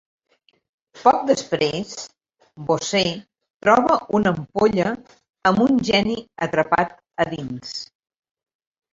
Poc després, Bosse troba una ampolla amb un geni atrapat a dins.